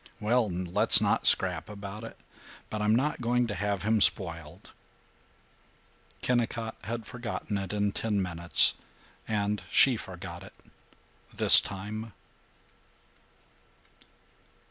"Well, let's not scrap about it. But I'm not going to have him spoiled." Kennicott had forgotten it in ten minutes; and she forgot it this time.